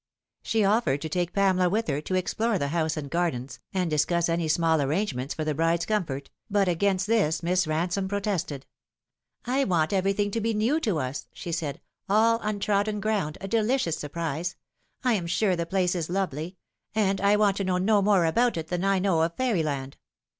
She offered to take Pamela with her, to explore the house and gardens, and discuss any small arrangements for the bride's comfort, but against this Miss Ransome protested. " I want everything to be new to us," she said, " all untrodden ground, a delicious surprise. I am sure the place is lovely ; and I want to know no more about it than I know of fairyland.